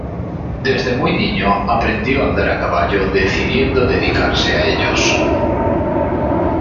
Desde muy niño aprendió a andar a caballo decidiendo dedicarse a ellos.